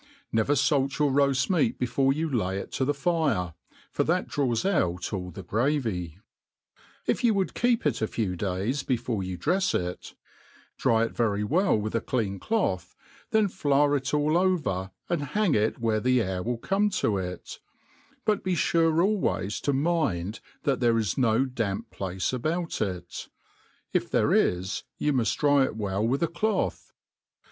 Never faljt your roaft meat before ' you lay it to the fire^^ for that dr^ws outs^l the gravy. If y6u would keep it a few days before you drefs it, dry it very well with a clean cloth, then flour it all over, and hang it v/here the air ^i\l CG^e to it j but be fure always to mind thftt ♦'here ^ is^flp damp place about it, if the^re is you muft dry it Vl^ell with ^a cioth.